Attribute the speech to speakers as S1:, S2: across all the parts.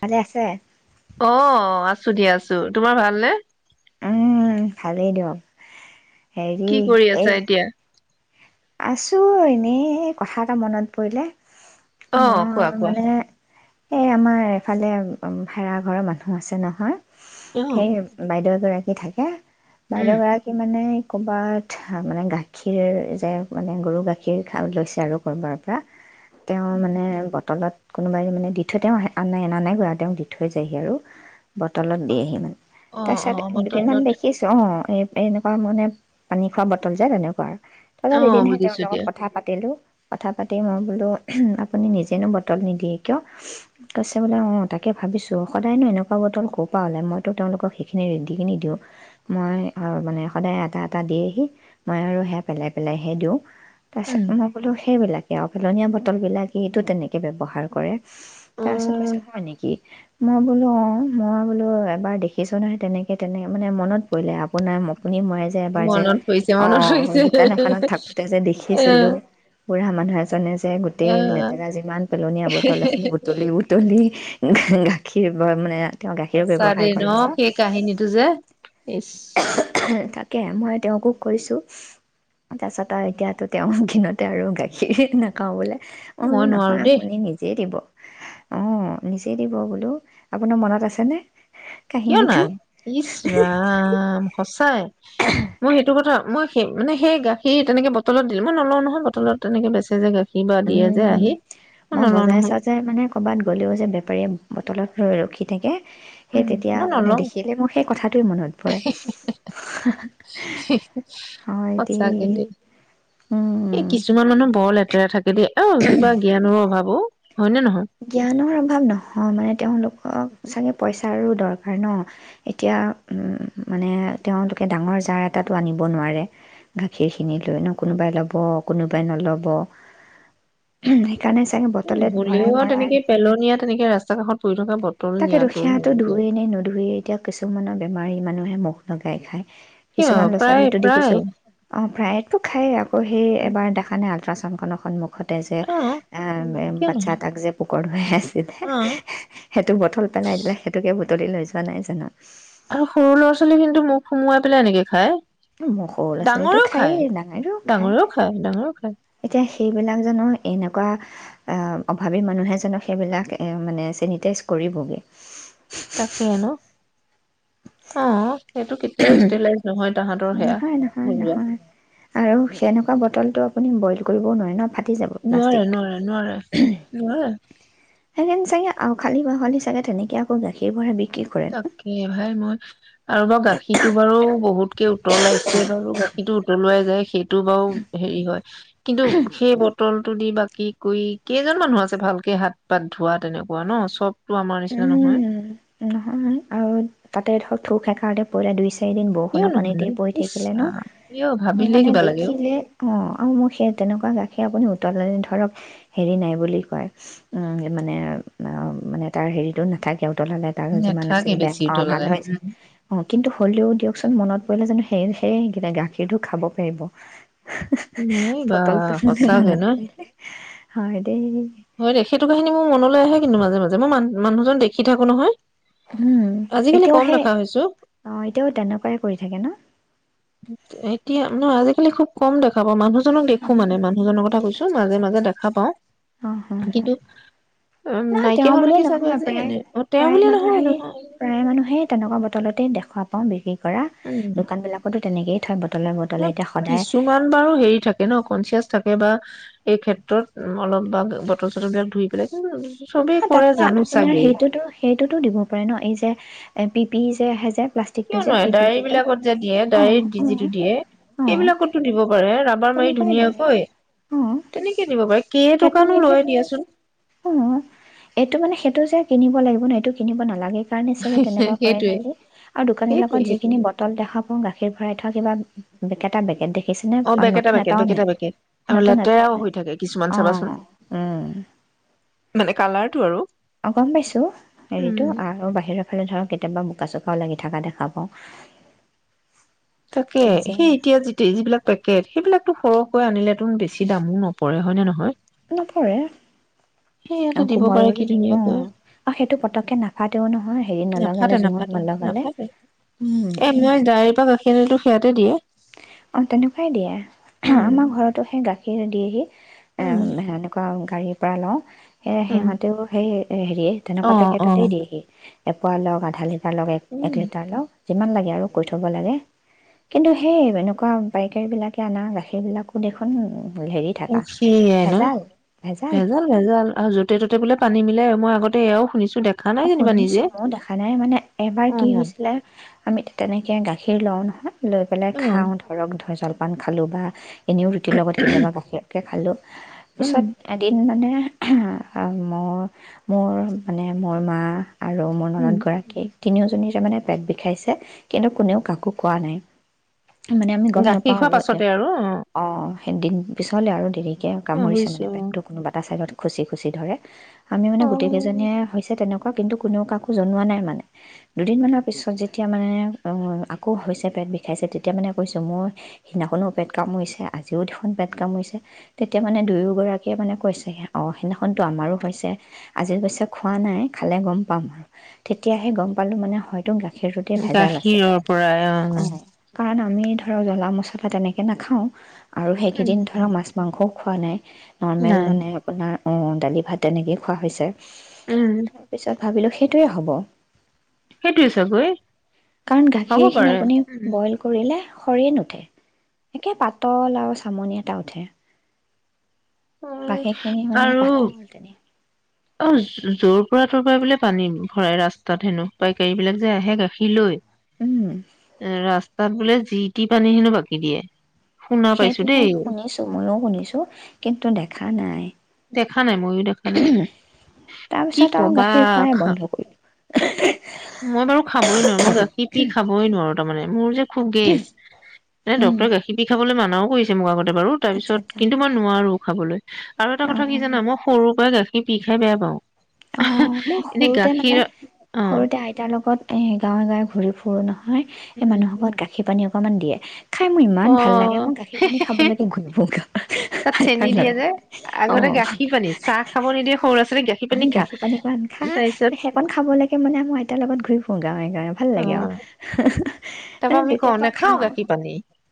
S1: ভালে আছে?
S2: অ আছো দিয়া আছো তোমাৰ ভালনেে
S1: উম, ভালেই দিয়ক।
S2: কি কৰি আছা এতিয়া
S1: আছো এনেই কথা এটা মনত পৰিলে
S2: অ
S1: ম
S2: কোৱা কোৱা
S1: মানে এ, আমাৰ এফালে ভাড়াঘৰৰ মানুহ আছে নহয়
S2: অ
S1: সেই বাইদেউ এযোৰ কি থাকে
S2: উম
S1: বাইদেউ গৰাকী, মানে ক'বাত, মানে, গাখীৰ যে মানে গৰু গাখীৰা লৈছে আৰু ক'বাৰ পৰা তেওৰ মানে বটলত কোনোবাই মানে দি থৈ তেওঁ আহ নাই অনা নাই কৰা তেওঁক দি থৈ যায়হি আৰু বটলত দিয়েহি, মানে।
S2: অ
S1: তাৰ
S2: অ
S1: পিছত দুদিনমান
S2: বতৰত
S1: দেখিছোঁ। অ' এ, এনেকুৱা, মানে, পানী খোৱা বটল যে, তেনেকুৱা আৰু
S2: অ
S1: [unintelligible] এদিনহে তেওঁৰ
S2: বুজিছো দিয়া
S1: লগত কথা পাতিলোঁ কথা পাতি মই বোলো আপুনি নিজেনো বটল নিদিয়ে কিয় কৈছে বোলে অ তাকে ভাবিছো সদায়নো এনেকুৱা বটল কৰ পৰা হলে মইতো তেওঁলোকক সেইখিনি ৰেডি নিদিওঁ মই মানে সদায় এটা এটা দিয়েহি মই আৰু হেয়া পেলাই পেলাইহে দিওঁ
S2: উম
S1: তাৰপিছত মই বোলো, সেইবিলাক এ, আ ফেলনীয়া বটলবিলাক সি সেইটো তেনেকৈ ব্যৱহাৰ কৰে।
S2: অ
S1: তাৰপিছত কৈছ হয় নেকি মই বোলো অ', মই বোলো, এবাৰ দেখিছোঁ নহয়, তেনেকে- তেনেকে মানে মনত পৰিলে আপোনাৰ মোক? আপুনি মৰে যে, এবাৰ যে
S2: মনত পৰিছে
S1: ',
S2: মনত
S1: অ',
S2: পৰিছে
S1: দোকানত থাকোঁতে যে,
S2: এ
S1: দেখিছিলোঁ। বুঢ়া মানুহ এজনে যে,
S2: এ
S1: 'গোটেই লেতেৰা যিমান পেলনীয় বটল আছিল বুটলি - বুটলি, গাখীৰ বা মানে তেওঁ গাখীৰৰ
S2: সঁচা দে
S1: ব্যৱসায়
S2: ন
S1: কৰে যে
S2: ', সেই কাহিনীটো যে, ইছ,
S1: কে মই তেওঁকো কৈছোঁ তাৰপিছত আৰু এতিয়াতো তেওঁ ঘিনতে আৰু গাখীৰ নাখাও বোলে। অ',
S2: মই
S1: মানে
S2: নোৱাৰো
S1: নহয়
S2: দেই
S1: আপুনি নিজে দিব। অ', নিজেই দিব বোলো, আপোনাৰ মনত আছেনে?
S2: কিয়
S1: কাহিনীটো
S2: নাই? ইচ ৰাম, সঁচাই মই সেইটো কথা মই সেই মানে সেই গাখীৰ তেনেক বটলত দিলো, মই নলওঁ নহয় বটলত তেনেকে বেচে যে গা
S1: উমম', মই বজাই
S2: নহয়
S1: চাও যে, মানে কবাত গ'লেও যে বেপাৰীয়ে বটলত ৰৈ ৰখি, ' গতিকে, সেই
S2: উম
S1: তেতিয়া
S2: মই
S1: মানে
S2: নলওঁ
S1: দেখিলে মোৰ সেই কথাটোে মনত পৰে। হয় -দেই
S2: এই
S1: -উম',
S2: কিছুমান মানুহ বৰ [unintelligible] অ', কিবা জ্ঞানৰ অভাৱো।
S1: জ্ঞানৰ অভাৱ নহয়, মানে তেওঁলোকক চাগে, পইচাৰো দৰকাৰ ন', এতিয়া, উম্, মানে তেওঁলোকে ডাঙৰ- জাৰ এটাতো আনিব নোৱাৰে, গাখীৰ খিনি লৈ ন ', কোনোবাই ল'ব- কোনোবাই নল'ব। পানী- ছানি
S2: উম
S1: বটলত
S2: হ'লেও আৰু
S1: ভৰাই।
S2: তেনেকে পেলনীয়া, তেনেকে ৰাস্তা, - [unintelligible]
S1: তাকে দুখীয়াতো ধুয়ে নে নুধুৱে, এতিয়া কিছুমানৰ বেমাৰী। মানুহে মুখ ন ', গাই খায়।
S2: কিয়
S1: কিছুমান ল'ৰা
S2: প্ৰায়
S1: ছোৱালীটো
S2: প্ৰায়
S1: দেখিছোঁ, অ'। প্ৰায়েটো খায়ে, - ওঃ সেই
S2: উম,
S1: দেখা নাই আল্ট্ৰাছাউণ্ড, কাণখনৰ সম্মুখ, '- মুখতে যে,
S2: অ
S1: আহ',
S2: উম, কিয়
S1: বাচ্ছা
S2: নহয়
S1: এটাক যে পোকৰ ধুৱাই আছিলে।
S2: অ
S1: টো', বটল পেলাই দিলে সেইটোকে বুটলি লৈ যোৱা নাই জানো?
S2: আৰু সৰু ল'ৰা ছোৱালীখিনিটো মোক সোমোৱাই পেলাই এনেকে খায়।
S1: মোৰ সৰু ল'ৰা ছোৱালীটো
S2: ডাঙৰেও খায়
S1: খায়েই ডাঙাই
S2: ডাঙৰেও খায় ডাঙৰেও খায়
S1: খাই এতিয়া সেইবিলাক জানো এনেকুৱা অভাৱী মানুহে জানো সেইবিলাক মানে চেনিটাইজ কৰিবগৈ
S2: তাকে ন অ সেইটো কেতিয়াও ষ্টেলাইজ নহয় তাহাঁতৰ সেয়া
S1: নহয় নহয়
S2: ঘৰুৱা
S1: নহয় আৰু সেনেকুৱা বটলটো আপুনি বইল কৰিব নোৱাৰে ন যাব
S2: নোৱাৰে
S1: প্লাষ্টিকটো
S2: নোৱাৰে নোৱাৰে নোৱাৰে
S1: সেই কানে চাগে অ খালি ব খালি চাগে তেনেকে আকৌ গাখীৰ ব বি
S2: তাকে ভাই মই আৰু বাৰু গাখীৰতটো বাৰু বহুতকে উতলাইছে বাৰু গ সিটো উতলোৱাাই যায় সেই টো বা হেৰি হয় কিন্তু সেই বটল টো দি বাকি কৰি কেইজন মানুহ আছে ভালকে হাত পাত ধোৱা তেনেকুৱা ন চব টো আমাৰ নিচিনা নহয়
S1: উম নহয় আৰু তাতে ধৰক থুক সেকাৰ দি পৰিলে দুই চাৰিদিন
S2: কিয়
S1: বৰষুণৰ পানীতে
S2: নহয়নো
S1: পৰি
S2: ইচ
S1: থাকিলে ন
S2: ৰাম কিয় ভাবিলে
S1: মানে
S2: কিবা লাগে অ
S1: দেখিলে অ আৰু মোৰ সেই তেনেকুৱা গাখীৰ আপুনি উতল ধৰক হেৰি নাই বুলি কয় মানে মানে তাৰ হেৰিটো নাথাকেও তলালে ত আৰু যিমান
S2: নাথাকে
S1: আছিল বেয়া
S2: বেছি
S1: অ ভাল
S2: উতলালে
S1: হৈছিল অ কিন্তু হ'লেও দিয়কচোন মনত পৰিলে জানো সেই সেইকিনা গাখীৰটো খাব পাৰিব
S2: নাই বা
S1: ফটল তুলোতে
S2: সচাঁকে
S1: মনত
S2: ন
S1: পৰিলে হয় দেই
S2: হয় দে সেইটোক কহিনী মোৰ মনলৈ আহে কিন্তু মাজে মাজে মই ম মানুহজন দেখি থাকো নহয়
S1: উম
S2: আজিকালি
S1: এতিয়াও
S2: কম
S1: সেই
S2: দেখা হৈছো
S1: অ এতিয়াও তেনেকুৱাই কৰি থাকে ন
S2: এতিয়া নহয় আজিকালি খুব কম দে দেখা পাওঁ মানুহজনক দেখো মানে মানুহজনৰ কথা কৈছো মাজে মাজে দেখাপাওঁ
S1: অ হ
S2: কিন্তু উ
S1: নহয় তেওঁ
S2: নাইকিয়া
S1: বুলিয়ে
S2: হলেকে চাব
S1: নহয়
S2: যে
S1: প্ৰায়
S2: এনে অ তেওঁ
S1: প্ৰায়
S2: বুলিয়ে নহয় নহয়
S1: তলতে দেখুৱা পাওঁ বিশেষৈ কৰা
S2: উম
S1: দোকান বিলাকতো তেনেকেই থাই ব
S2: কিছুমান বাৰু হেৰি থাকে ন কনচিয়াছ থাকে বা এই ক্ষেত্ৰত অলপ বা বটন চটন বিলাক ধুই পেলাই কি
S1: তাতকে আপোনাৰ সেইটোতো সেইটোতো দিব পাৰে ন এই যে এফ পি যে আহে যে প্লাষ্টিকটো যে পি
S2: কিয়নোৱাই
S1: পি
S2: ডায়েৰী
S1: কিটত
S2: বিলাকত যে দিয়ে
S1: অ
S2: ডায়েৰী
S1: অ
S2: যিটো দিয়ে
S1: অ
S2: সেইবিলাকতো দিব পাৰে ৰাবাৰ মাৰি
S1: তেনেকুৱাই লাগে
S2: ধুনীয়াকৈ
S1: অ
S2: তেনেকে দিব পাৰে কেই
S1: সেইটো
S2: টকানো
S1: নিলে
S2: লয় দিয়াচোন
S1: অ এইটো মানে সেইটো যে কিনিব লাগিব আপোন এইটো কিনিব নালাগে কাৰণে চাগে তেনেকুৱা কৰে
S2: সেইটোৱে
S1: নেকি আৰু দোকান
S2: সেইটোৱে
S1: বিলাকত
S2: সেইটোৱে
S1: যিখিনি বটল দেখা পাওঁ গা [unintelligible] ভৰাই থোৱা কিবা বেকেটা বেকেট দেখিছ
S2: অ', বেকেটা বেকেট, বেকেটা বেকেট, আৰু
S1: নতুন এটাও
S2: লেতেৰাও
S1: নাই
S2: হৈ থাকে কিছুমান
S1: অঁ
S2: চাবাচোন।
S1: উম
S2: মানে কালাৰটো আৰু
S1: অ', গম পাইছো, হেৰিতো
S2: উম
S1: আৰু বাহিৰৰ ফালে ধৰ কেতিয়াবা বোকা চকা লাগি থকা দেখা পাওঁ।
S2: তাকে
S1: কি যে
S2: সেই এতিয়া যি-যিবিলাক পেকেট সেইবিলাক সৰহকৈ আনিলেতো বেছি দামো নপৰে হয় নে নহয়?
S1: নপৰে।
S2: সেই ইয়াতে
S1: আৰু
S2: দিব
S1: কোমল,
S2: পাৰে কি
S1: উম
S2: ধুনীয়াকৈ
S1: আৰু সেইটো পতককে নাফাতেও নহয় হেৰিত
S2: নাফাতে
S1: নলগালে,
S2: নাফাতে
S1: জুঙত নলগালে,
S2: নাফাতে
S1: উম।
S2: এ মই ডায়েৰীৰ পৰা গাখীৰ আনিলো সেয়াতে দিয়ে।
S1: অ', তেনেকুৱাই দিয়ে,
S2: উম
S1: আমাৰ ঘৰতো সেই গা [unintelligible] এ,
S2: উম
S1: সেনেকুৱা গাড়ীৰ পৰা লওঁ সেয়া
S2: উম
S1: সিহঁতেও, সেই এ, হেৰিয়ে
S2: অ
S1: তেনেকুৱা
S2: অ
S1: পেকেটতেই দিয়ে সি [unintelligible] [unintelligible] এক লিটাৰ [unintelligible] যিমান লাগে আৰু কৈ থব লাগে, কিন্তু সেই এনেকুৱা পাইকাৰীবিলাকে আনা গাখীৰবিলাকো দেখোন হেৰি থকা
S2: সেয়াই ন', ভেজাল ভেজাল, আৰু য'তে ত'তে বোলে পানী মিলাই আৰু মই আগত [unintelligible] শুনিছো। দেখা নাই
S1: অ',
S2: যেনিবা
S1: শুনিছো
S2: নিজে
S1: ময়ো দেখা নাই মানে, এবাৰ
S2: অ
S1: কি হৈছিলে, আমি তেনেকে গাখীৰ লও নহয় লৈ পেলাই
S2: অ
S1: খাওঁ ধৰক, ধ জল পান খালোঁ বা এনেও ৰুটিৰ লগত কেতিয়াবা গাখীৰকে খালো।
S2: উম
S1: পিছত এদিন মানে মোৰ-মোৰ মানে মই মা আৰু মোৰ
S2: উম
S1: ননত গৰাকী তিনিওজনী তাৰ মমানে পেট বিষাইছে কিন্তু কোনেও কাকো কোৱা নাই মানে আমি গম
S2: গাখীৰ
S1: নাপাও
S2: খোৱাৰ
S1: আৰু এতে
S2: পাছতে
S1: অ সদিন পিছলৈ আৰু দেৰি তে
S2: অ
S1: কামুৰিছে মানে,
S2: বুজিছো
S1: পেটটো কোনোবা এটা চাইডত খুচি খুচি ধৰে আমি মানে
S2: অ
S1: গোটেই কেইজনীয়ে
S2: অ
S1: হৈছ তেনেকুৱা কিন্তু কোনেও কাকো জনোৱা নাই মানে দুদিনমানৰ পিছত যেতিয়া মানে আকৌ হৈছে পেট বিষাইছে তেতিয়া মানে কৈছোঁ মোৰ সেইদিনাখনো পেট কামুৰিছে আজিও দেখন পেট কামুৰিছে তেতিয়া মানে দুয়োগৰাকীয়ে মানে কৈছে অঁ সেইদিনাখনতো আমাৰো হৈছে আজি অৱশ্যে খোৱা নাই খালে গম পাম আৰু তেতিয়াহে গম পালোঁ মানে হয়তো গ
S2: গাখীৰৰ পৰাই অ'।
S1: কাৰণ আমি ধৰক জ্বলা মছলা তেনেকে নাখাওঁ আৰু
S2: উম
S1: সেইকেইদিন ধৰক মাছ মাংস খুৱাই নৰ্মেল
S2: নাই
S1: মানে আপোনাৰ অঁ দালি ভাত তেনেকেই খোৱা হৈছে
S2: উম
S1: তাৰ পিছত ভাবিলোঁ সেইটোৱে হ'ব
S2: সেইটোৱ চাগৈয়
S1: কাৰণ গাখীৰ খিনি আপুনি বইল কৰিলে সেয়ে নুঠে। একে পাতল আৰু চামনি এটা উঠে।
S2: অ',
S1: গাখীৰখিনি মানে
S2: আৰু
S1: পাতল তেনে
S2: অ', য'ৰ পৰা ত'ৰ পৰা বোলে পানী ভৰাই ৰাস্তাত হেনো, পাইকাৰী বিলাক যে আহে গাখীৰ লৈ
S1: উম,
S2: ৰাচ তাত বোলে যি- টি পানী হেনো বাকী দিয়ে। শুনা পাইছো
S1: সেইটোহে
S2: দেই
S1: শুনিছোঁ, ময়ো শুনিছোঁ, কিন্তু দেখা নাই।
S2: দেখা নাই, ময়ো দেখা নাই। কি
S1: তাৰপিছত আৰু
S2: কবা,
S1: গাখীৰ খোৱাই
S2: খা
S1: বন্ধ [inaudible]
S2: মই বাৰু খাবই নোৱাৰো মই গাখীৰ পি খাবই নোৱাৰো মানে মোৰ যে খুব গেছ। ‌ এনে
S1: উম,
S2: ডক্তৰে গাখীৰ পি খাবলৈ মান নাও কৰিছে মো আগত বাৰু তাৰ
S1: আচ্ছা
S2: পিছত,
S1: আচ্ছা
S2: কিন্তু মই নোৱাৰো‌ঁ খাবলৈ। আৰু এটা
S1: অঁ
S2: কথা কি জানা, মই সৰুৰ পাই গাখ সেই বি খাই বেয়া পাওঁ
S1: অ', মই
S2: এনে
S1: সৰুতে মানে,
S2: গাখীৰ অ
S1: সৰুতে আই-' তেওঁ লগত এ গাঁৱে-গাঁৱে ঘূৰি ফুৰো ন। হয়, এই
S2: উম
S1: মানুহ ঘত গাখী পানী অ কমান দিয়ে। খাই মোৰ ইমান
S2: অ
S1: ভাল লাগে, মই গাখীৰ পানী খাবলেকে ঘূৰিফুগ
S2: তাত
S1: আইতাৰ
S2: চেনি দিয়ে
S1: লগত,
S2: যে
S1: অ।
S2: আগতে গাখীৰ পানী চাহ খাব নিদিয়ে সৰু ল'ৰা ছোৱালীক গাখীৰ পানী
S1: এখিনি
S2: খা
S1: গাখী পানীকণ খা,
S2: তাৰপিছত
S1: সেকণ খাব লকে মানে আ মই আইতা লগত ঘূৰি ফুং- গাঁৱে-গাঁৱে, ভাল লাগে আউ। হা হা।
S2: তাপা আমি কওঁ নাখাও গাখী পানী,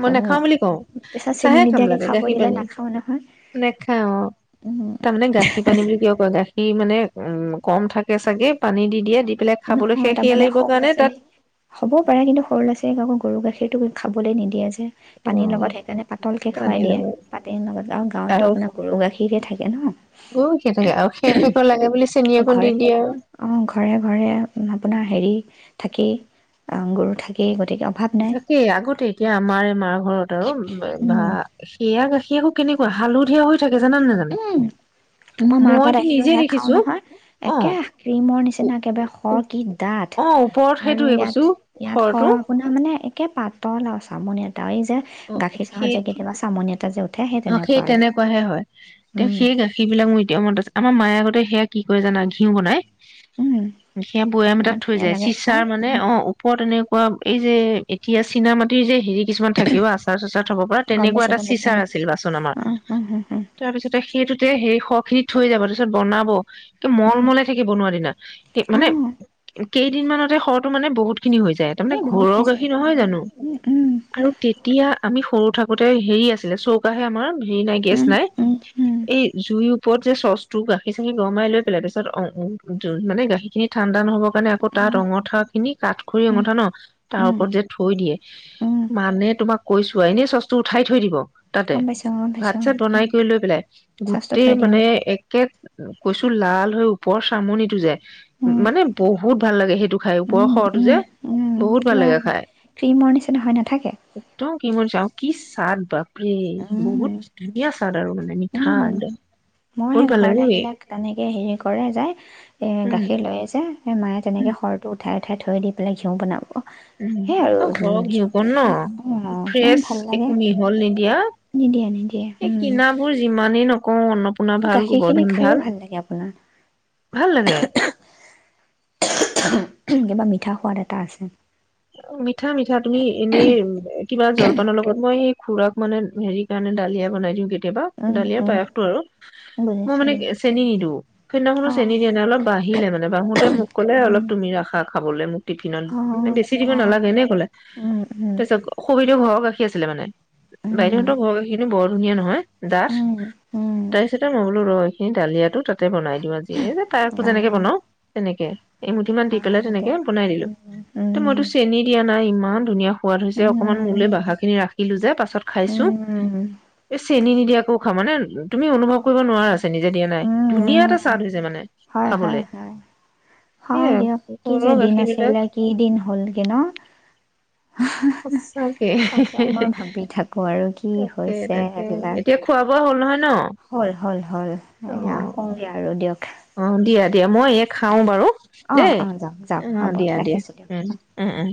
S2: মই
S1: অ
S2: নাখাও বুলি কওঁ,
S1: পিছত চেনি
S2: চাহে খাম
S1: নিদিয়াকে
S2: লাগে
S1: খাব
S2: গাখী
S1: দিলে
S2: পানী,
S1: নাখাওঁ নহয়
S2: নেখাও অ,
S1: উম
S2: তামানে গাখী পানী বুলি কিয় কয়, গাখীৰ মানে উম, কম থাকে চাগে পানী দি দিয়ে দি পেলাই খাবলৈ
S1: নহয়,
S2: সেষ সেয়া
S1: তাৰমানে
S2: লাগিবৰ
S1: সৰু ল'ৰা
S2: কাৰণে তাত
S1: ছোৱালী, হ'বও পাৰে কিন্তু সৰু ল'ৰা ছ ইক আকৌ গৰু গাখীৰটো খাবলেলৈ নিদিয়ে যে এ পানীৰ লগত
S2: অ',
S1: সেইকাৰণে পাতলকে
S2: পানী
S1: খুৱাই দিয়ে,
S2: লগা
S1: পানীৰ লগত আৰু গাঁৱততো আপোনাৰ গৰু গাখীৰকহে থাকে ন।
S2: গৈ থাকে আৰু সেৰ সেৰকৈ লাগে বুলি চেনি
S1: অ
S2: অকণ দি
S1: ঘৰে,
S2: দিয়ে আৰু।
S1: অ ঘৰে-ঘৰে আপোন আপোনা হেৰি থাকেই, আ গৰু থাকেই গতিকে অভাৱ নাই
S2: ইচা কেই, আগতে এতিয়া আমাৰে মাৰ ঘৰত আৰু বা
S1: উম
S2: সেয়া গাখী আক' কেনেকুৱা হালধীয়া হৈ থাকে জানা নে নাজানা?
S1: উম, মই মা ঘত
S2: মইতো
S1: আহিলেও
S2: নিজে
S1: হেয়া খাওঁ
S2: দেখিছো
S1: নহয়,
S2: অ',
S1: একেহ ক্ৰীম ৰ নিচিনা একেবাৰে খ
S2: অ',
S1: কি ডাঠ,
S2: ওপৰত
S1: আৰু
S2: সেইটোৱে
S1: ইয়াত,
S2: কৈছো
S1: ইয়াত
S2: খৰটো
S1: খৰ আপোনাৰ মানে একে পাতল আৰু চামনি এটা এই যে
S2: অ',
S1: গাখীৰ চাহত
S2: সেই
S1: যে কেতিয়াবা চামন এটা যে উঠে
S2: অ, সেই
S1: তেনেকুৱা আৰু
S2: তেনেকুৱাহে হয়। তেওঁ
S1: উম
S2: সেই গাখীৰ বিলাক মোৰ এতিয়া মনত আছে। আমা মায়ে আগতে হেয়া কি কৰে জানা, ঘিউ বনাই।
S1: উম
S2: সেয়া বৈয়াম এটাত
S1: ইমান
S2: থৈ
S1: ধুনীয়া
S2: যায়।
S1: লাগে খাই
S2: চিচাৰ মানে অ, ওপৰত এনে উআম, এই যে এতিয়া চীনা মাটিৰ যে হেৰিক কিছুমান থাকে অ আচাৰ চাচাৰ থ'ব পৰা,
S1: গম
S2: তেনেকুৱা
S1: পাইছো
S2: এটা
S1: গম পাইছো
S2: চিচাৰ আছ ছিলিবাছ খন আমা,
S1: অ অ
S2: তাৰ পিছতে সেইটোত তে হেই খ খিনি থৈ যাব, তাপিছত বনাব। কে মলমলাই থাকে বনোৱাৰ দিনা। এ
S1: অ অ
S2: মানে কেইদিনমানানতে খৰটো মানে বহুত খিন হৈ যায়, তামানে
S1: এই বহুত
S2: ঘৰৰ
S1: হৈছে
S2: গাখীৰ নহয় জানো,
S1: উম
S2: আৰু তেতিয়া আমি সৰু থাক গোতে হেৰি আছিলে চ আমাৰ [unintelligible] হেৰি নাই গেছ
S1: উম
S2: নাই।
S1: উম উম
S2: এই জুইৰ ওপৰত যে চচ টোৰ গাখীৰ [unintelligible] গৰমাই লৈ পেলাই তাছত অ উ মানে গাখিৰখিনি ঠান দান হ'বৰ কাৰণে আকৌ
S1: উম
S2: তাতঙঠা খিনি কাঠ খৰি
S1: উম
S2: অঙঠা ন
S1: উম
S2: তাৰ
S1: উম
S2: ওপৰত যে থৈ দিয়ে।
S1: উম
S2: মানে তোমাক কৈছো এনে চচটো উঠাই থৈ দিব। তাতে
S1: গম পাইছো গম
S2: ভাত
S1: পাইছো
S2: চাত বনাই
S1: উম
S2: কৰি লৈ পেলাই
S1: চচটো
S2: গোটেই
S1: থৈ দিওঁ
S2: মানে একে কৈছো লাল হৈ ওপৰ চামনিটো যে।
S1: উম
S2: মানে বহুত বহুত ভাল লাগে হে খাই
S1: উম
S2: ওপৰৰ সৰটো যে
S1: উম উম
S2: বহুত ভাল
S1: কিবা
S2: লাগে খাই
S1: ক্ৰীমৰ নিচিনা হয় নাথাকে
S2: [unintelligible] মোৰ যাওঁ কি স্বাদ বা! প্ৰি,
S1: উম
S2: বহুত ধুনীয়া স্বাদ‌ আৰু মানে। মিঠা
S1: উম মই
S2: বহুত
S1: হেই
S2: ভাল
S1: ঘৰলৈ
S2: লাগে
S1: আহিলে [unintelligible] এই হেৰি কৰে যায় এ গাখীৰ
S2: উম
S1: লৈ যে। সে মায়ে তেনেকে সৰটো উঠাই উঠাই থৈ দি পেলাই ঝউ বনাব। সেই আৰু
S2: অ ঘৰক ঘিহকন
S1: ঘিউখিনি খাই অ
S2: ন
S1: ইমান
S2: ফ্ৰেচ
S1: ভাল লাগে
S2: একো মিহল নিদিয়া
S1: নিদিয়ে নিদিয়ে
S2: এই
S1: উম
S2: কিনাাবোৰ যিমানেই ন অ পূৰ্ণা ভাল,
S1: গাখীৰ খিনি
S2: গোবৰ্ধন
S1: খায়ো
S2: ভাল,
S1: লাগে আপোনাৰ
S2: ভাল লাগে।
S1: কিবা মিঠা সোৱাদ এটা আছে।
S2: উম মিট [unintelligible] ঠা মিঠা তুমি এনেই কিবা জলপানৰ লগত মই সেই খুৰাক মানে হেৰি কাৰণে দালিয়া বনাই দিওঁ গে। কেতিয়াবা
S1: উম
S2: দালিয়
S1: উম
S2: পায়সতটো আৰু, মই
S1: বুজিছো
S2: মানে চেনি নিদু সদিনাখনো
S1: অ
S2: চেনি দিয়া নাই অলপ বঢাহিলে মানে বাহিলে মোক কলে অলপ
S1: উম
S2: তুমি ৰাখা। খাবলৈ মোক টিফিনত
S1: অ
S2: মানে [unintelligible] দিব
S1: অ
S2: নালাগে এনে কলে।
S1: উম উম
S2: তাছত [unintelligible] কি ঘৰৰ গাখিৰ আছিলে মানে, বাইদেহতৰ ঘৰৰ গাখিৰ খিনি বৰ ধুনীয়া নহয়। দাচ
S1: উম উম
S2: তাৰপিছতে মইাকলো ৰ সেই দালিয়াাতো তাক ততে বনাই দিও আজি এই যে তায়কো
S1: উম অ
S2: যেনেকে বনাও তেনেকে। এমুঠি মান দি কলে
S1: হয়
S2: তেনেকে
S1: দিয়ক
S2: বনাই দিলো
S1: উম
S2: ত মইতো চেনি দিয়া নাই ইমা ইমান ধুনীয়া সোৱাদ হৈছে অকনমান
S1: উম
S2: মোলে বাহা খিনি ৰাখিলো যে। ছত খাইছো।
S1: উম
S2: চেনি নিদিয়াকেও খাওঁ মানে তুমি অনুভৱ কৰিব
S1: উম
S2: নোৱাৰা চেনিী যে দিয়া নাই
S1: উম,
S2: ধুনীয়া এটা
S1: উম,
S2: চাদ হৈছে মানে
S1: হয়
S2: খাবলে
S1: হয় হয় হয়
S2: সেয়া
S1: দিয়ক কি যে
S2: ঘৰৰ
S1: দিন
S2: গাখীৰ বিলাক
S1: আছিলে কি দিন হ'ল কি ন
S2: সঁচাকে
S1: তাকে মই ভাবি থাকো আৰু কি
S2: তাকে
S1: হৈছে
S2: তাকে
S1: এইবিলাক।
S2: এতিয়া খোৱা বোৱা হ'ল নহয় ন
S1: হ'ল হ'ল হ'ল
S2: অ
S1: এয়া আহোঁগৈ আৰু দিয়ক
S2: অ দিয়া দিয়া মই
S1: ঠিক
S2: এই
S1: আছে
S2: খাও
S1: ৰাখোঁ
S2: বাৰু
S1: অ',
S2: দেই
S1: অ', যাওঁক যাওঁক
S2: অ
S1: হ'ব
S2: দিয়া দিয়া
S1: ৰাখিছোঁ দিয়ক
S2: উম
S1: অ'।
S2: উম উম